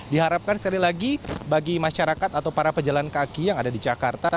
diharapkan sekali lagi bagi masyarakat atau para pejalan kaki yang ada di jakarta